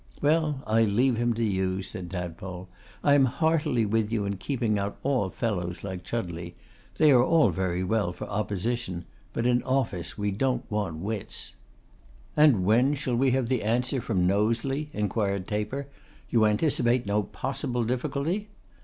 'Well, I leave him to you,' said Tadpole. 'I am heartily with you in keeping out all fellows like Chudleigh. They are very well for opposition; but in office we don't want wits.' 'And when shall we have the answer from Knowsley?' inquired Taper. 'You anticipate no possible difficulty?